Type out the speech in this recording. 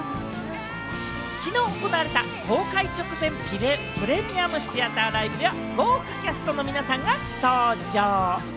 きのう行われた公開直前のプレミアムシアターライブでは豪華キャストの皆さんが登場。